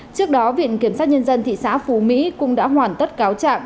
trước đó viện kiểm sát nhân dân thị xã phú mỹ cũng đã hoàn tất cáo trạng